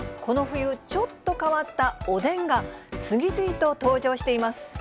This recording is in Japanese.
この冬、ちょっと変わったおでんが次々と登場しています。